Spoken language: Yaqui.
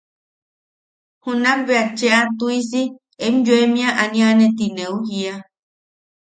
Junak bea cheʼa tuʼisi em yoemia aniane ti neu jiia.